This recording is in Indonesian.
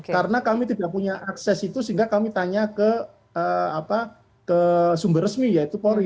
karena kami tidak punya akses itu sehingga kami tanya ke sumber resmi yaitu polri